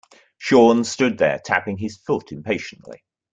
Sean stood there tapping his foot impatiently.